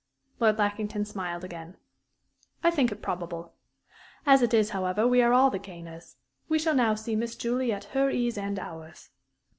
Lord Lackington smiled again. "I think it probable.... As it is, however, we are all the gainers. We shall now see Miss Julie at her ease and ours."